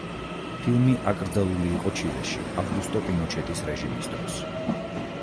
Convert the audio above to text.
ფილმი აკრძალული იყო ჩილეში ავგუსტო პინოჩეტის რეჟიმის დროს.